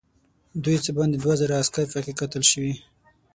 دوی څه باندې دوه زره عسکر پکې قتل شوي.